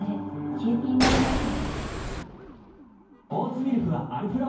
キユーピーマヨネーズ